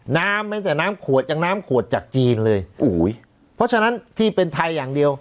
น้ำไม่ได้น้ำขวดจากน้ำขวดจากจีนเลยเพราะฉะนั้นที่เป็นไทยอย่างเดียว